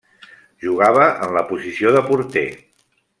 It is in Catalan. Jugava en la posició de porter.